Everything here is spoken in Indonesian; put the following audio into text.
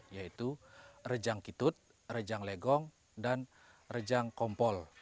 yaitu rejang kitut rejang legong dan rejang kompol